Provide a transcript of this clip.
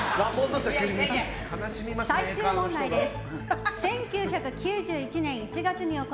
最終問題です。